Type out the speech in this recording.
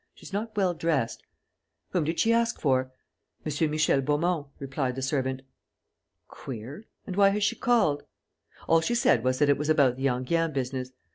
She's not well dressed...." "Whom did she ask for?" "M. Michel Beaumont," replied the servant. "Queer. And why has she called?" "All she said was that it was about the Enghien business....